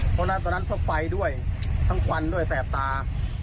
เพราะฉะนั้นตอนนั้นพวกไฟด้วยทั้งควันด้วยแสบตา